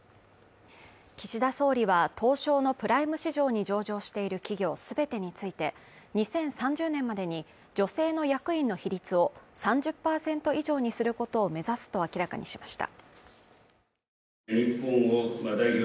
岸田総理は東証のプライム市場に上場している企業全てについて、２０３０年までに女性の役員の比率を３０％以上にすることを目指すと明らかにしました。